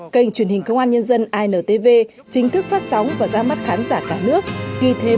hai nghìn một mươi một kênh truyền hình công an nhân dân chính thức phát sóng và ra mắt khán giả cả nước ghi thêm